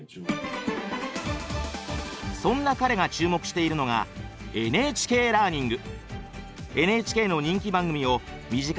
そんな彼が注目しているのが「ＮＨＫラーニング」。